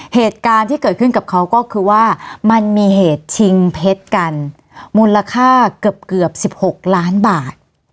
เหตุการณ์ที่เกิดขึ้นกับเขาก็คือว่ามันมีเหตุชิงเพชรกันมูลค่าเกือบ๑๖ล้านบาท